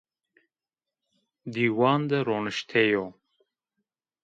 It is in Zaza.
Dîwan de ronişte yo